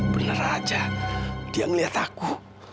bener aja dia ngeliat aku